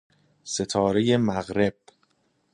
ستاره مغرب